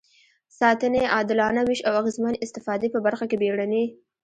ساتنې، عادلانه وېش او اغېزمنې استفادې په برخه کې بیړني.